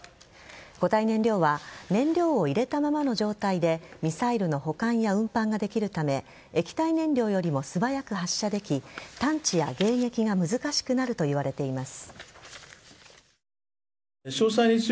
固体燃料は燃料を入れたままの状態でミサイルの保管や運搬ができるため液体燃料よりも素早く発射でき探知や迎撃が難しくなるといわれています。